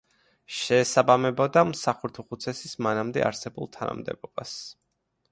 შეესაბამებოდა მსახურთუხუცესის მანამდე არსებულ თანამდებობას.